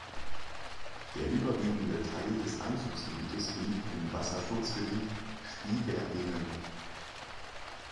Der überwiegende Teil des Einzugsgebietes liegt im Wasserschutzgebiet "Schwieberdingen".